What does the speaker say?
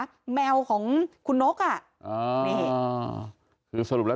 สวัสดีคุณผู้ชายสวัสดีคุณผู้ชาย